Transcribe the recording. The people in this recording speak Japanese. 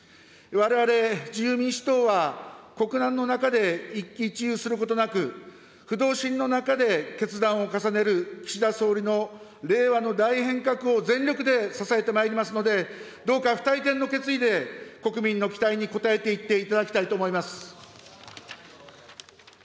われわれ自由民主党は、国難の中で一喜一憂することなく、不動心の中で決断を重ねる岸田総理の令和の大変革を全力で支えてまいりますので、どうか不退転の決意で国民の期待に応えていっていただきたいと思います。